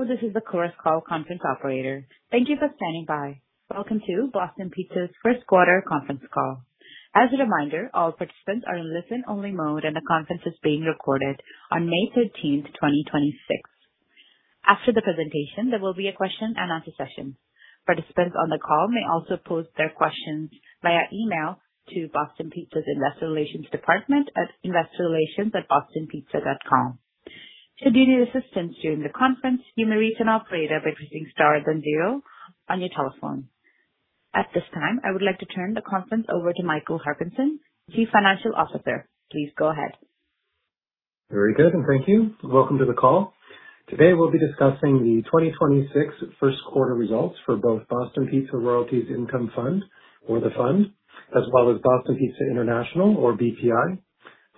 Welcome to Boston Pizza's first quarter conference call. As a reminder, all participants are in listen-only mode, and the conference is being recorded on May 13th, 2026. After the presentation, there will be a question and answer session. Participants on the call may also pose their questions via email to Boston Pizza's Investor Relations Department at investorrelations@bostonpizza.com. At this time, I would like to turn the conference over to Michael Harbinson, Chief Financial Officer. Please go ahead. Very good, thank you. Welcome to the call. Today we'll be discussing the 2026 1st quarter results for both Boston Pizza Royalties Income Fund or The Fund, as well as Boston Pizza International or BPI.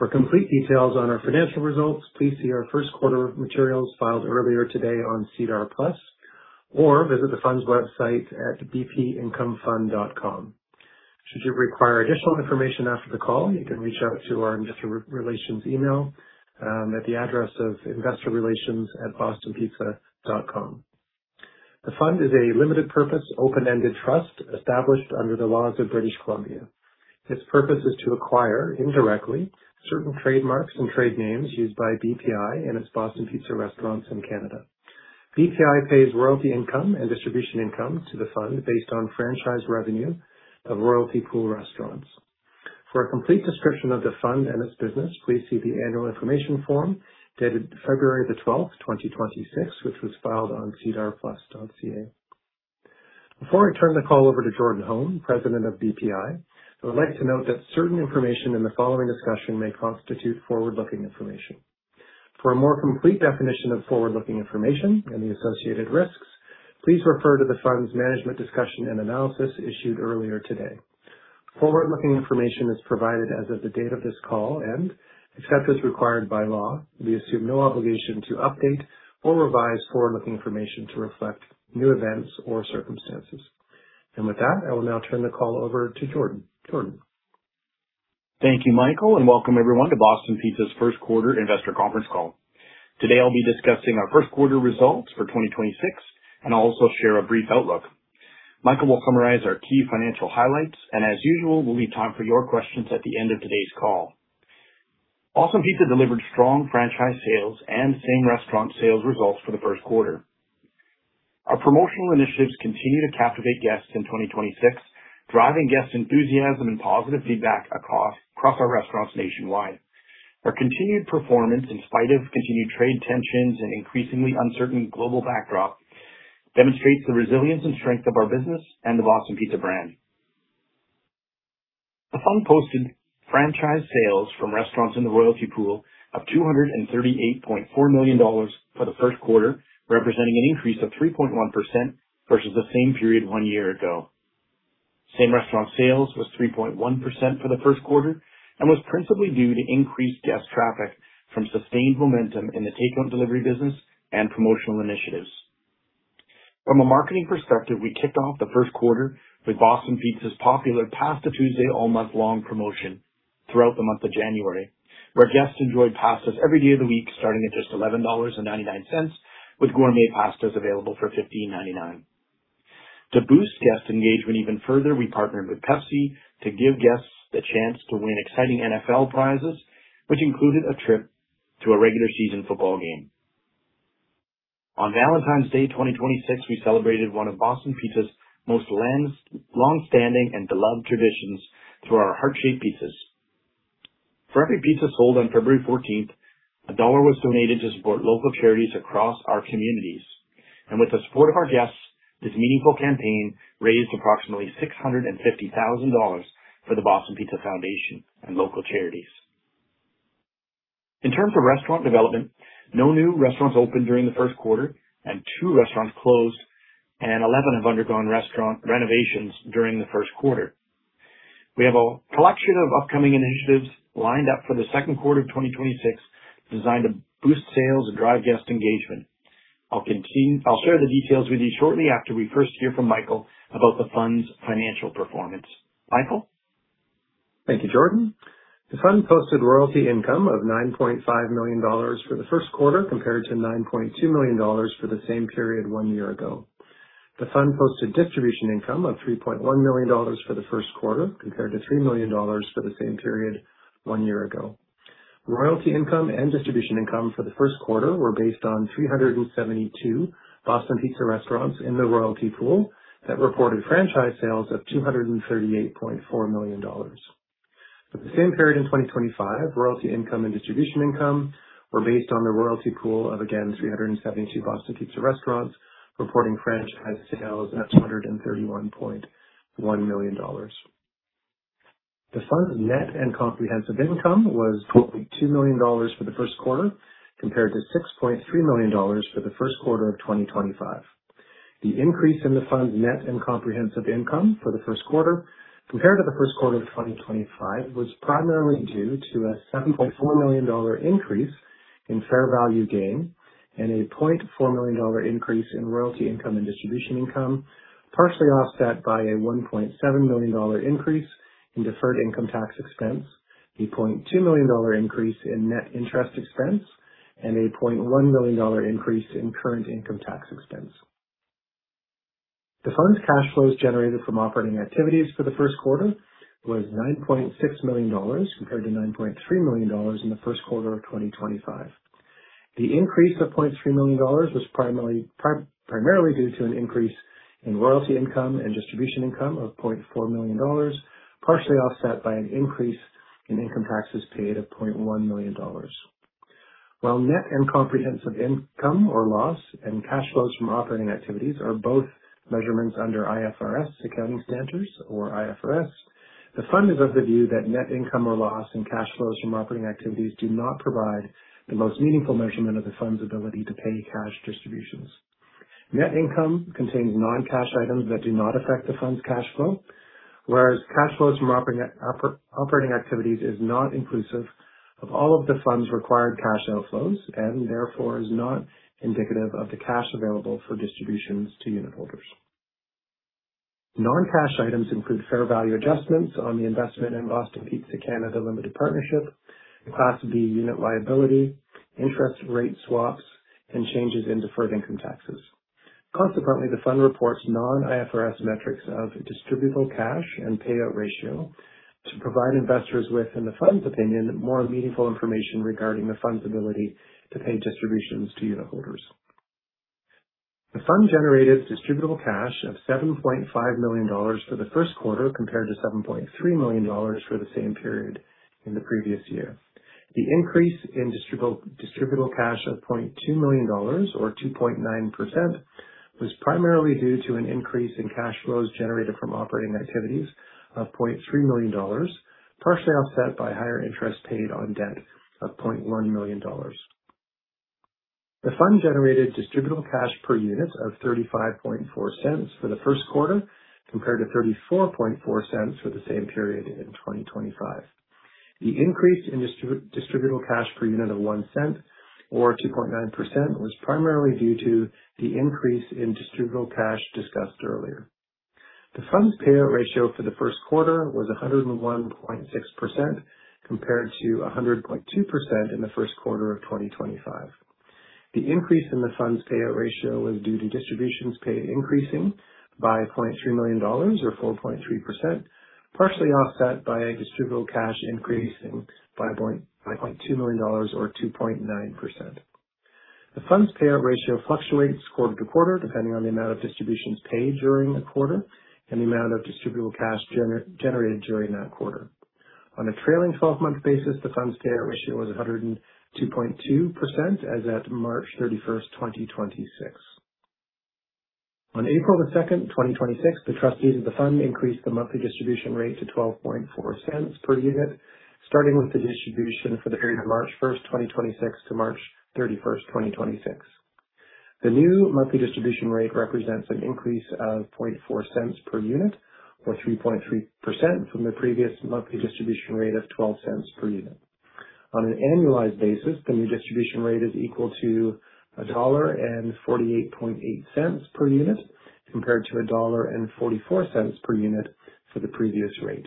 For complete details on our financial results, please see our 1st quarter materials filed earlier today on SEDAR+ or visit The Fund's website at bpincomefund.com. Should you require additional information after the call, you can reach out to our investor relations email at the address of investorrelations@bostonpizza.com. The Fund is a limited purpose, open-ended trust established under the laws of British Columbia. Its purpose is to acquire, indirectly, certain trademarks and trade names used by BPI and its Boston Pizza restaurants in Canada. BPI pays royalty income and distribution income to The Fund based on franchise revenue of royalty pool restaurants. For a complete description of The Fund and its business, please see the annual information form dated February 12, 2026, which was filed on sedarplus.ca. Before I turn the call over to Jordan Holm, President of BPI, I would like to note that certain information in the following discussion may constitute forward-looking information. For a more complete definition of forward-looking information and the associated risks, please refer to The Fund's management discussion and analysis issued earlier today. Forward-looking information is provided as of the date of this call and, except as required by law, we assume no obligation to update or revise forward-looking information to reflect new events or circumstances. With that, I will now turn the call over to Jordan. Jordan. Thank you, Michael, and welcome everyone to Boston Pizza's first quarter investor conference call. Today I'll be discussing our first quarter results for 2026 and I'll also share a brief outlook. Michael will summarize our key financial highlights and as usual, will be time for your questions at the end of today's call. Boston Pizza delivered strong franchise sales and same restaurant sales results for the first quarter. Our promotional initiatives continue to captivate guests in 2026, driving guest enthusiasm and positive feedback across our restaurants nationwide. Our continued performance, in spite of continued trade tensions and increasingly uncertain global backdrop, demonstrates the resilience and strength of our business and the Boston Pizza brand. The Fund posted franchise sales from restaurants in the royalty pool of 238.4 million dollars for the first quarter, representing an increase of 3.1% versus the same period one year ago. Same restaurant sales was 3.1% for the first quarter and was principally due to increased guest traffic from sustained momentum in the take-home delivery business and promotional initiatives. From a marketing perspective, we kicked off the first quarter with Boston Pizza's popular Pasta Tuesday all month long promotion throughout the month of January, where guests enjoyed pastas every day of the week, starting at just 11.99 dollars, with gourmet pastas available for 15.99. To boost guest engagement even further, we partnered with Pepsi to give guests the chance to win exciting NFL prizes, which included a trip to a regular season football game. On Valentine's Day 2026, we celebrated one of Boston Pizza's most long-standing and beloved traditions through our heart-shaped pizzas. For every pizza sold on February 14th, CAD 1 was donated to support local charities across our communities. With the support of our guests, this meaningful campaign raised approximately 650,000 dollars for the Boston Pizza Foundation and local charities. In terms of restaurant development, no new restaurants opened during the first quarter and two restaurants closed, and 11 have undergone restaurant renovations during the first quarter. We have a collection of upcoming initiatives lined up for the second quarter of 2026, designed to boost sales and drive guest engagement. I'll share the details with you shortly after we first hear from Michael about The Fund's financial performance. Michael? Thank you, Jordan. The Fund posted royalty income of 9.5 million dollars for the first quarter, compared to 9.2 million dollars for the same period one year ago. The Fund posted distribution income of 3.1 million dollars for the first quarter, compared to 3 million dollars for the same period one year ago. Royalty income and distribution income for the first quarter were based on 372 Boston Pizza restaurants in the royalty pool that reported franchise sales of 238.4 million dollars. For the same period in 2025, royalty income and distribution income were based on the royalty pool of, again, 372 Boston Pizza restaurants, reporting franchise sales at 231.1 million dollars. The Fund's net and comprehensive income was 2.2 million dollars for the first quarter, compared to 6.3 million dollars for the first quarter of 2025. The increase in The Fund's net and comprehensive income for the first quarter compared to the first quarter of 2025, was primarily due to a 7.4 million dollar increase in fair value gain and a 0.4 million dollar increase in royalty income and distribution income, partially offset by a 1.7 million dollar increase in deferred income tax expense, a 0.2 million dollar increase in net interest expense and a 0.1 million dollar increase in current income tax expense. The Fund's cash flows generated from operating activities for the first quarter was 9.6 million dollars compared to 9.3 million dollars in the first quarter of 2025. The increase of 0.3 million dollars was primarily due to an increase in royalty income and distribution income of 0.4 million dollars, partially offset by an increase in income taxes paid of 0.1 million dollars. Net and comprehensive income or loss and cash flows from operating activities are both measurements under IFRS accounting standards or IFRS, the Fund is of the view that net income or loss and cash flows from operating activities do not provide the most meaningful measurement of the Fund's ability to pay cash distributions. Net income contains non-cash items that do not affect the Fund's cash flow, whereas cash flows from operating activities is not inclusive of all of the Fund's required cash outflows and therefore is not indicative of the cash available for distributions to unitholders. Non-cash items include fair value adjustments on the investment in Boston Pizza Canada Limited Partnership, Class B unit liability, interest rate swaps, and changes in deferred income taxes. Consequently, the Fund reports non-IFRS metrics of Distributable Cash and payout ratio to provide investors with, in the Fund's opinion, more meaningful information regarding the Fund's ability to pay distributions to unitholders. The Fund generated Distributable Cash of 7.5 million dollars for the first quarter, compared to 7.3 million dollars for the same period in the previous year. The increase in distributable cash of 0.2 million dollars or 2.9% was primarily due to an increase in cash flows generated from operating activities of 0.3 million dollars, partially offset by higher interest paid on debt of 0.1 million dollars. The Fund generated Distributable Cash per unit of 0.354 for the first quarter, compared to 0.344 for the same period in 2025. The increase in Distributable Cash per unit of 0.01 or 2.9% was primarily due to the increase in Distributable Cash discussed earlier. The Fund's Payout Ratio for the first quarter was 101.6%, compared to 100.2% in the first quarter of 2025. The increase in The Fund's Payout Ratio was due to distributions paid increasing by 0.3 million dollars or 4.3%, partially offset by a Distributable Cash increase by 0.2 million dollars or 2.9%. The Fund's payout ratio fluctuates quarter-to-quarter, depending on the amount of distributions paid during the quarter and the amount of distributable cash generated during that quarter. On a trailing 12-month basis, the Fund's payout ratio was 102.2% as at March 31, 2026. On April 2, 2026, the trustees of the Fund increased the monthly distribution rate to 0.124 per unit, starting with the distribution for the period of March 1, 2026 to March 31, 2026. The new monthly distribution rate represents an increase of 0.004 per unit or 3.3% from the previous monthly distribution rate of 0.12 per unit. On an annualized basis, the new distribution rate is equal to 1.488 dollar per unit, compared to 1.44 dollar per unit for the previous rate.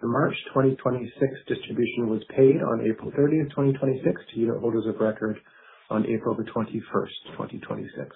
The March 2026 distribution was paid on April 30, 2026 to unitholders of record on April 21st, 2026.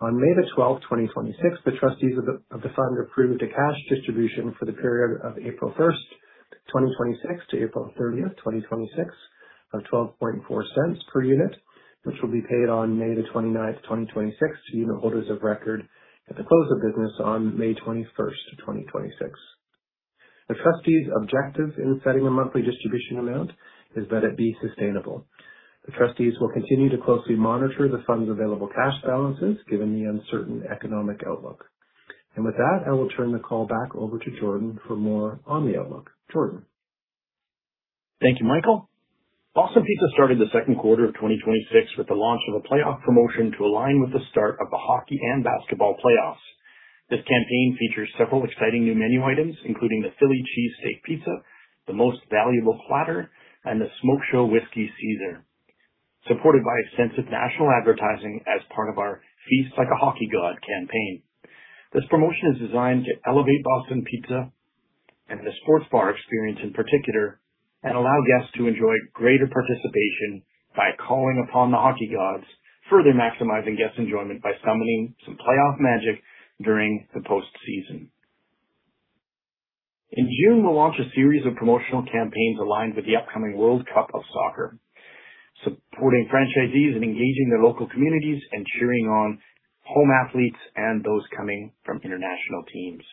On May 12th, 2026, the trustees of the Fund approved a cash distribution for the period of April 1st, 2026 to April 30, 2026 of 0.124 per unit, which will be paid on May 29th, 2026 to unitholders of record at the close of business on May 21st, 2026. The trustees' objective in setting the monthly distribution amount is that it be sustainable. The trustees will continue to closely monitor the Fund's available cash balances given the uncertain economic outlook. With that, I will turn the call back over to Jordan for more on the outlook. Jordan? Thank you, Michael. Boston Pizza started the second quarter of 2026 with the launch of a playoff promotion to align with the start of the hockey and basketball playoffs. This campaign features several exciting new menu items, including the Philly Cheesesteak Pizza, The Most Valuable Platter, and the Smokeshow Whisky Caesar, supported by extensive national advertising as part of our Feast Like a Hockey God campaign. This promotion is designed to elevate Boston Pizza and the sports bar experience in particular and allow guests to enjoy greater participation by calling upon the hockey gods, further maximizing guests' enjoyment by summoning some playoff magic during the postseason. In June, we'll launch a series of promotional campaigns aligned with the upcoming World Cup of Soccer, supporting franchisees in engaging their local communities and cheering on home athletes and those coming from international teams.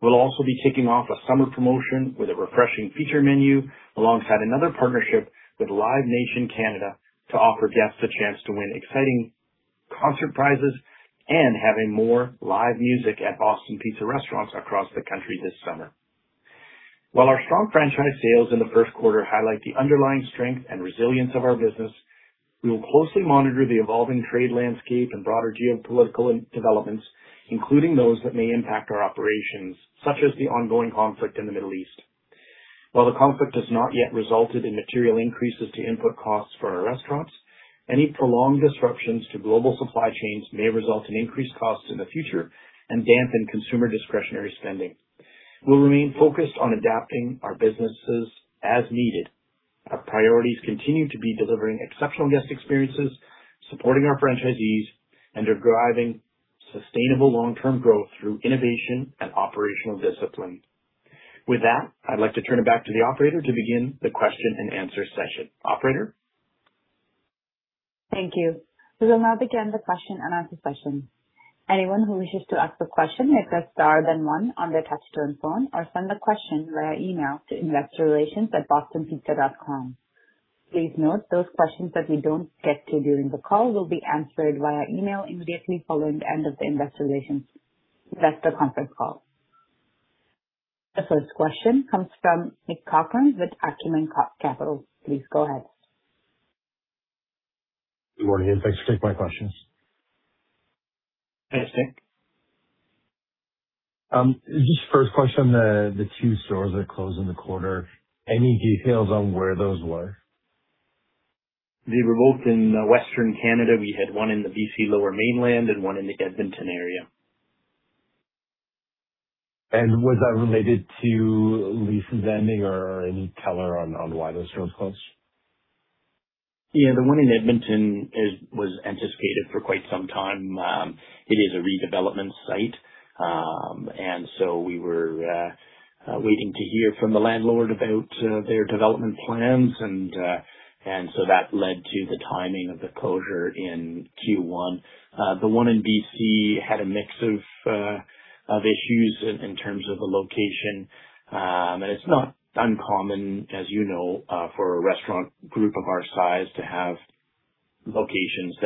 We'll also be kicking off a summer promotion with a refreshing feature menu alongside another partnership with Live Nation Canada to offer guests a chance to win exciting concert prizes and having more live music at Boston Pizza restaurants across the country this summer. While our strong franchise sales in the first quarter highlight the underlying strength and resilience of our business, we will closely monitor the evolving trade landscape and broader geopolitical developments, including those that may impact our operations, such as the ongoing conflict in the Middle East. While the conflict has not yet resulted in material increases to input costs for our restaurants. Any prolonged disruptions to global supply chains may result in increased costs in the future and dampen consumer discretionary spending. We'll remain focused on adapting our businesses as needed. Our priorities continue to be delivering exceptional guest experiences, supporting our franchisees, and are driving sustainable long-term growth through innovation and operational discipline. With that, I'd like to turn it back to the Operator to begin the question-and-answer session. Operator? Thank you. We will now begin the question-and-answer session. Anyone who wishes to ask a question, press star then one on their touch-tone phone or send a question via email to investorrelations@bostonpizza.com. Please note those questions that we don't get to during the call will be answered via email immediately following the end of the investor conference call. The first question comes from Nick Corcoran with Acumen Capital Partners. Please go ahead. Good morning. Thanks for taking my questions. Hey, Nick. Just first question, the two stores that closed in the quarter, any details on where those were? They were both in Western Canada. We had one in the B.C. Lower Mainland and one in the Edmonton area. Was that related to leases ending or any color on why those stores closed? The one in Edmonton was anticipated for quite some time. It is a redevelopment site. We were waiting to hear from the landlord about their development plans and so that led to the timing of the closure in Q1. The one in BC had a mix of issues in terms of the location. It's not uncommon, as you know, for a restaurant group of our size to have locations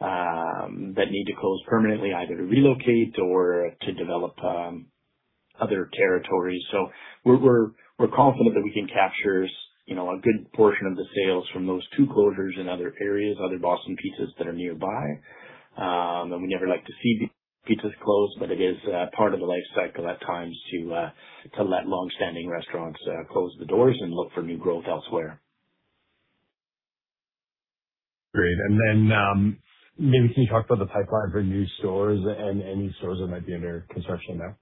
that need to close permanently, either to relocate or to develop other territories. We're confident that we can capture, you know, a good portion of the sales from those two closures in other areas, other Boston Pizzas that are nearby. We never like to see Pizzas close, but it is part of the life cycle at times to let longstanding restaurants close the doors and look for new growth elsewhere. Great. Maybe can you talk about the pipeline for new stores and any stores that might be under construction now?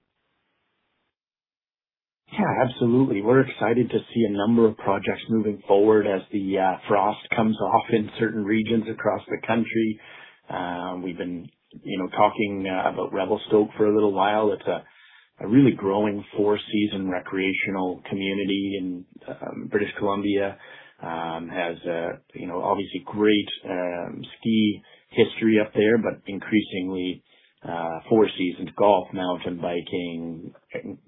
Yeah, absolutely. We're excited to see a number of projects moving forward as the frost comes off in certain regions across the country. We've been, you know, talking about Revelstoke for a little while. It's a really growing four-season recreational community in British Columbia. Has, you know, obviously great ski history up there, increasingly four seasons, golf, mountain biking,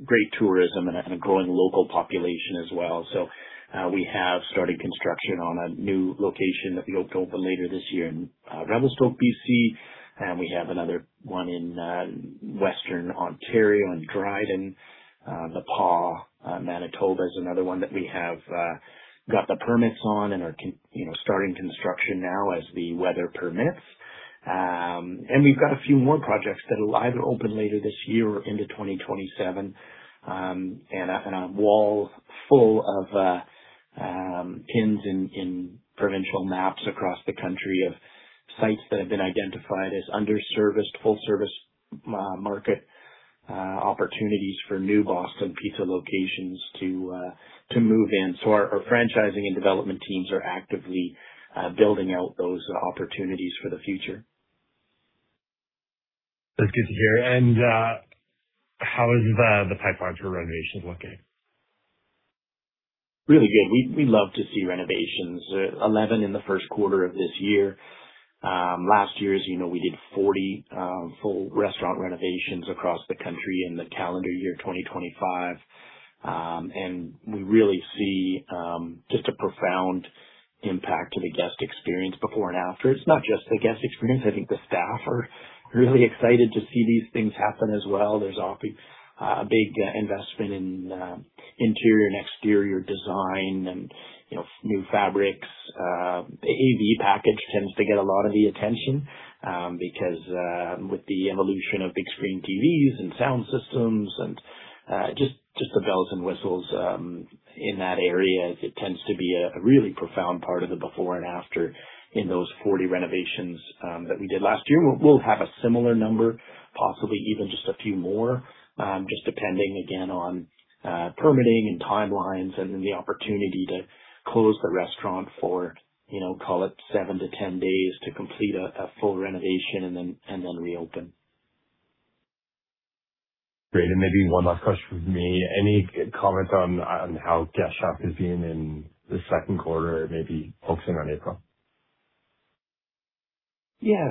great tourism and a growing local population as well. We have started construction on a new location that we hope to open later this year in Revelstoke, B.C. We have another one in western Ontario in Dryden. The Pas, Manitoba is another one that we have got the permits on and are You know, starting construction now as the weather permits. And we've got a few more projects that'll either open later this year or into 2027. And a wall full of pins in provincial maps across the country of sites that have been identified as under-serviced, full-service market opportunities for new Boston Pizza locations to move in. Our franchising and development teams are actively building out those opportunities for the future. That's good to hear. How is the pipeline for renovations looking? Really good. We love to see renovations. 11 in the first quarter of this year. Last year, as you know, we did 40 full restaurant renovations across the country in the calendar year 2025. We really see just a profound impact to the guest experience before and after. It's not just the guest experience. I think the staff are really excited to see these things happen as well. There's a big investment in interior and exterior design and, you know, new fabrics. The AV package tends to get a lot of the attention because with the evolution of big screen TVs and sound systems and just the bells and whistles in that area, it tends to be a really profound part of the before and after in those 40 renovations that we did last year. We'll have a similar number, possibly even just a few more, just depending again on permitting and timelines and then the opportunity to close the restaurant for, you know, call it seven to 10 days to complete a full renovation and then reopen. Great. Maybe one last question from me. Any comment on how guest traffic is doing in the second quarter, maybe focusing on April? Yeah.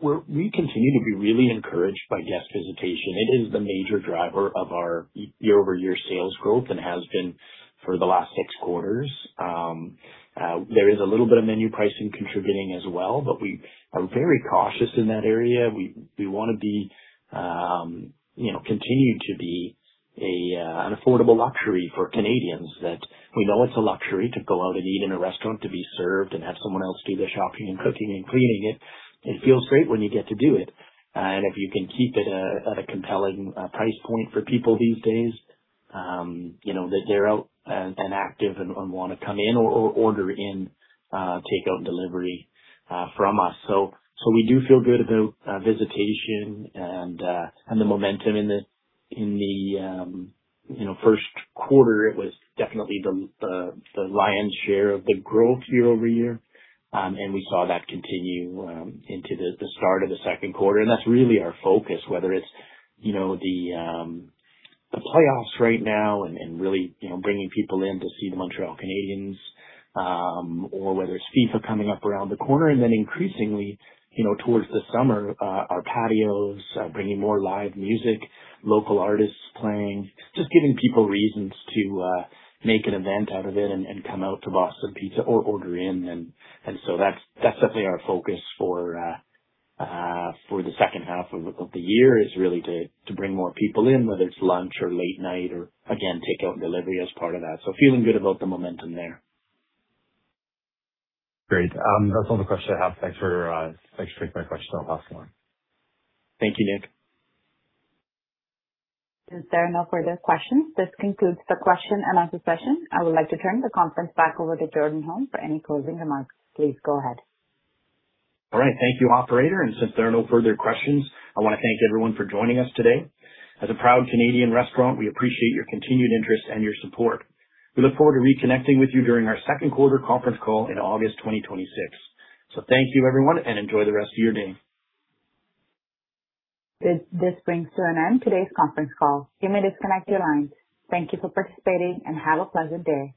We continue to be really encouraged by guest visitation. It is the major driver of our year-over-year sales growth and has been for the last six quarters. There is a little bit of menu pricing contributing as well, but we are very cautious in that area. We wanna be, you know, continue to be an affordable luxury for Canadians that we know it's a luxury to go out and eat in a restaurant, to be served, and have someone else do the shopping and cooking and cleaning it. It feels great when you get to do it. And if you can keep it at a compelling price point for people these days, you know, that they're out and active and wanna come in or order in takeout and delivery from us. We do feel good about visitation and the momentum in the, you know, first quarter. It was definitely the lion's share of the growth year-over-year. We saw that continue into the start of the second quarter. That's really our focus, whether it's, you know, the playoffs right now and really, you know, bringing people in to see the Montreal Canadiens or whether it's FIFA coming up around the corner. Increasingly, you know, towards the summer, our patios, bringing more live music, local artists playing, just giving people reasons to make an event out of it and come out to Boston Pizza or order in. That's definitely our focus for the second half of the year, is really to bring more people in, whether it's lunch or late night or, again, takeout and delivery as part of that. Feeling good about the momentum there. Great. That's all the questions I have. Thanks for taking my questions. I'll pass it along. Thank you, Nick. Since there are no further questions, this concludes the question-and-answer session. I would like to turn the conference back over to Jordan Holm for any closing remarks. Please go ahead. All right. Thank you, operator. Since there are no further questions, I wanna thank everyone for joining us today. As a proud Canadian restaurant, we appreciate your continued interest and your support. We look forward to reconnecting with you during our second quarter conference call in August 2026. Thank you, everyone, and enjoy the rest of your day. This brings to an end today's conference call. You may disconnect your lines. Thank you for participating, and have a pleasant day.